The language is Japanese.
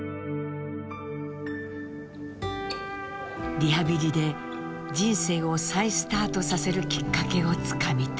リハビリで人生を再スタートさせるきっかけをつかみたい。